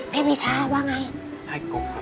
พี่ปีชาว่าอย่างไรทำไมถึงให้พี่กบร้องพี่กบครับ